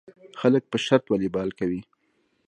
خلک په شرط والیبال کوي.